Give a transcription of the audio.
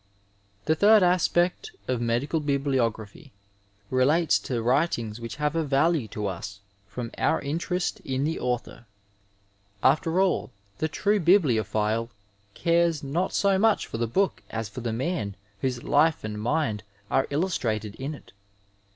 IV The third aspect of medical bibliography relates to writings which have a value to us from our interest in the author. After all, the true bibliophile cares not so much for tiie book as for the man whose life and mind are illustrated in it.